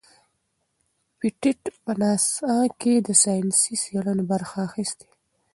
پېټټ په ناسا کې د ساینسي څیړنو برخه اخیستې.